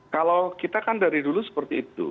kalau kita kan dari dulu seperti itu